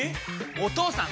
お義父さん！